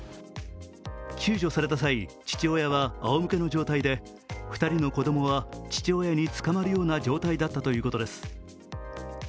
救助された際、父親はあおむけの状態で２人の子供は父親につかまるような状態だったということです。